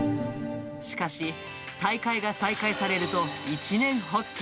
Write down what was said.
しかし、大会が再開されると一念発起。